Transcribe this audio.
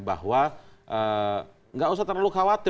bahwa nggak usah terlalu khawatir